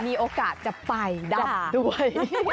มีโอกาสจะไปดำด้วย